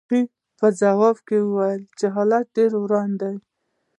ساقي په ځواب کې وویل چې حالات ډېر وران دي.